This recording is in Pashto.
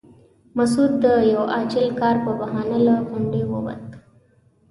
مسعود د یوه عاجل کار په بهانه له غونډې ووت.